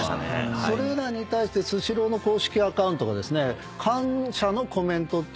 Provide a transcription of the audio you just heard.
それらに対してスシローの公式アカウントがですね感謝のコメントっていうのを発表してる。